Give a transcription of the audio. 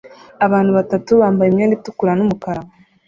Abantu batatu bambaye imyenda itukura numukara